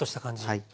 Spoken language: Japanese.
はい。